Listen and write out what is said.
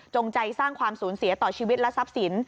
ใจสร้างความสูญเสียต่อชีวิตและทรัพย์สิน